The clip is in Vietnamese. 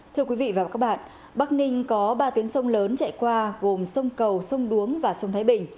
thưa quý vị và các bạn bắc ninh có ba tuyến sông lớn chạy qua gồm sông cầu sông đuống và sông thái bình